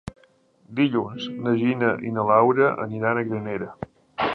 Dilluns na Gina i na Laura aniran a Granera.